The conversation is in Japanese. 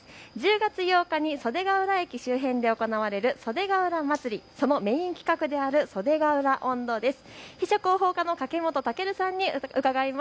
１０月８日に袖ケ浦市駅周辺で行われるそでがうらまつりのメイン企画である袖ケ浦音頭です。